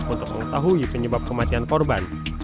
untuk mengetahui penyebab kematian korban